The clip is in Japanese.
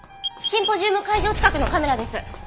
シンポジウム会場近くのカメラです。